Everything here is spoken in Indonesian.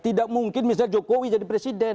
tidak mungkin misalnya jokowi jadi presiden